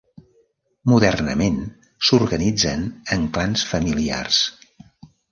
Modernament, s'organitzen en clans familiars.